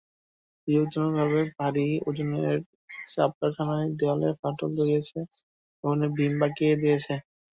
বিপজ্জনকভাবে ভারী ওজনের চাপ কারখানার দেয়ালে ফাটল ধরিয়েছে, ভবনের বিম বাঁকিয়ে দিয়েছে।